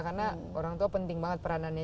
karena orang tua penting banget peranannya